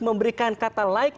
memberikan kata like